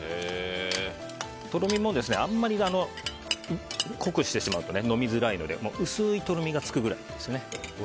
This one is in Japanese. とろみもあんまり濃くしてしまうと飲みづらいので薄いとろみがつくぐらいですね。